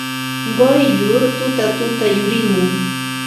Quyllur tutatuta yurimun.